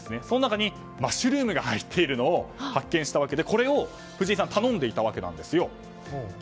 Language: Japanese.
その中に、マッシュルームが入っているのを発見したわけでこれを藤井さん頼んでいたわけなんですよ。